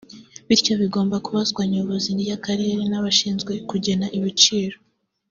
bityo bigomba kubazwa nyobozi y’Akarere n’abashinzwe kugena ibiciro